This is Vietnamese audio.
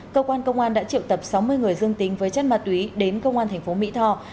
cơ quan công an đã triệu tập sáu mươi người dương tính với chất ma túy đến công an thành phố mỹ tho